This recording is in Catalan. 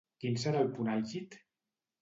Quin serà el punt àlgid?